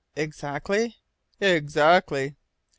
"Exactly?" "Exactly."